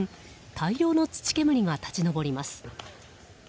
大量の土煙が立ち上ります。